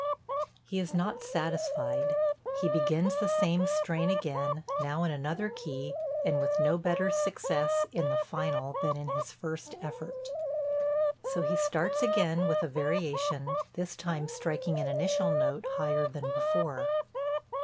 He is not satisfied; he begins the same strain again, now in another key, and with no better success in the final than in his first effort. So he starts again with a variation, this time striking an initial note higher than before.